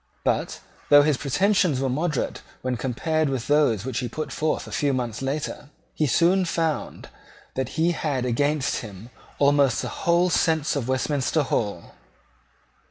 But, though his pretensions were moderate when compared with those which he put forth a few months later, he soon found that he had against him almost the whole sense of Westminster Hall.